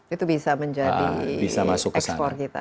itu bisa menjadi ekspor kita